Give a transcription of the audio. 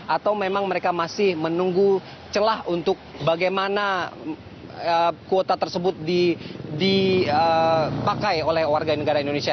atau memang mereka masih menunggu celah untuk bagaimana kuota tersebut dipakai oleh warga negara indonesia